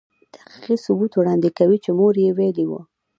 تحقیقي ثبوت وړاندې کوي چې مور يې ویلې وه.